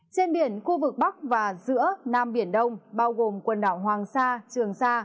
trên biển khu vực bắc và giữa nam biển đông bao gồm quần đảo hoàng sa trường sa